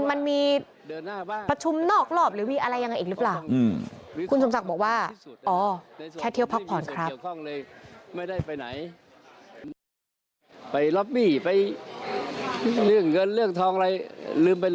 มันมีประชุมนอกรอบหรือมีอะไรยังไงอีกหรือเปล่า